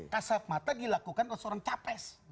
kasat mata dilakukan oleh seorang capres